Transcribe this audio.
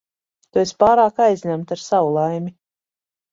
Tu esi pārāk aizņemta ar savu laimi.